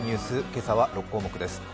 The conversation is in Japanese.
今朝は６項目です。